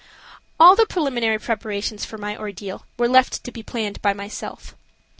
All the preliminary preparations for my ordeal were left to be planned by myself.